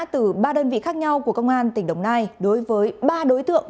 từ ba đơn vị khác nhau của công an tỉnh đồng nai đối với ba đối tượng